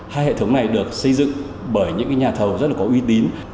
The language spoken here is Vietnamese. hai hệ thống này được xây dựng bởi những nhà thầu rất là có uy tín